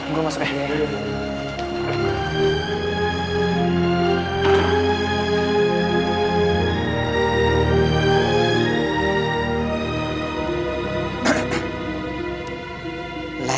gue masuk deh